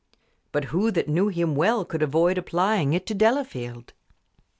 But who that knew him well could avoid applying it to Delafield?